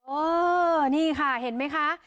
เออนี่ค่ะเห็นไหมคะ